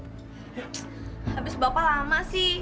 habis bapak lama sih